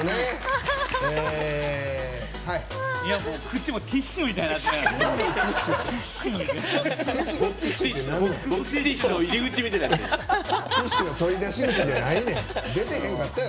口もティッシュみたいになってた。